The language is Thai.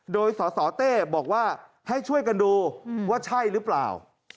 โดยสสเต้บอกว่าให้ช่วยกันดูว่าใช่หรือเปล่า